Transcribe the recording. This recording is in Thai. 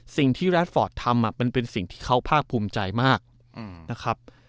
แรดฟอร์ตทำมันเป็นสิ่งที่เขาภาคภูมิใจมากนะครับ